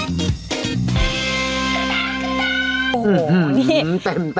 โอ้โฮนี่เต็ม